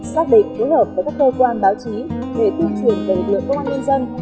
xác định phối hợp với các cơ quan báo chí về tuyên truyền về lượng công an nhân dân